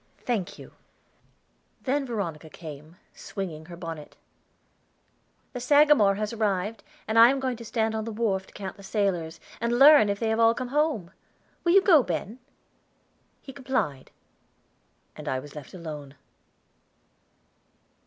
"Thank you." Then Veronica came, swinging her bonnet. "The Sagamore has arrived, and I am going to stand on the wharf to count the sailors, and learn if they have all come home. Will you go, Ben?" He complied, and I was left alone.